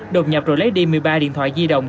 đột nhập rồi lấy đi một mươi ba điện thoại di động